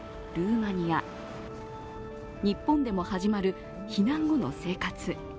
ルーマニア日本でも始まる避難後の生活。